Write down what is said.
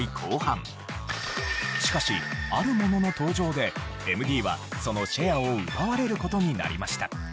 しかしあるものの登場でＭＤはそのシェアを奪われる事になりました。